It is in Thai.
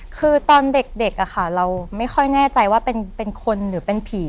คือตอนเด็กเราไม่ค่อยแน่ใจว่าเป็นคนหรือเป็นผี